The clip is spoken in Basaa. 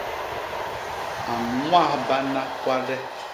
A ñwahbana kwade.